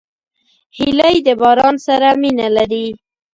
هیلۍ د باران سره مینه لري